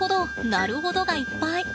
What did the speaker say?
なるほどがいっぱい！